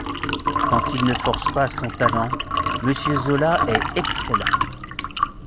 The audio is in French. Quand il ne force pas son talent, Monsieur Zola est excellent.